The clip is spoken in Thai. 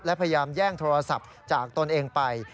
และพยายามแย่งโทรศัพท์จากตนเองไป